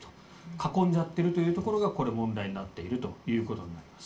囲んじゃっているというところがこれ、問題になっているということになります。